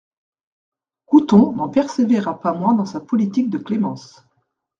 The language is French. Couthon n'en persévéra pas moins dans sa politique de clémence.